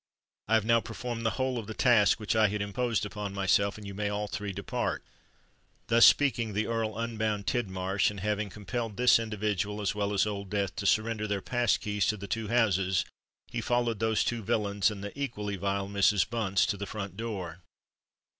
I have now performed the whole of the task which I had imposed upon myself; and you may all three depart!" Thus speaking, the Earl unbound Tidmarsh; and, having compelled this individual, as well as Old Death, to surrender their pass keys to the two houses, he followed those two villains and the equally vile Mrs. Bunce to the front door.